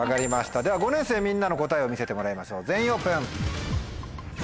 では５年生みんなの答えを見せてもらいましょう全員オープン。